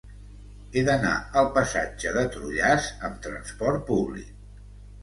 He d'anar al passatge de Trullàs amb trasport públic.